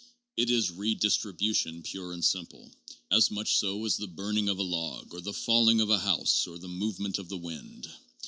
It is redistribution pure and simple ; as much so as the burning of a log, or the falling of a house or the movement of the wind.